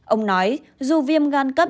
ông nói dù viêm gan cấp